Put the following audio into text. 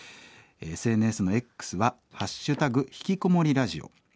ＳＮＳのＸは「＃ひきこもりラジオ」。